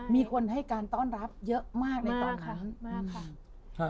มีคนให้การต้อนรับเยอะมากในตอนนั้นมากค่ะ